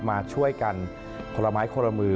มาช่วยกันคนละไม้คนละมือ